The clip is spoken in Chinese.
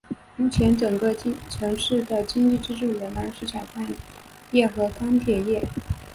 目前整个城市的经济支柱依然是采矿业和钢铁业。